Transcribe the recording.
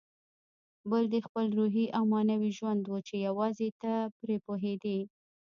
بل دې خپل روحي او معنوي ژوند و چې یوازې ته پرې پوهېدې.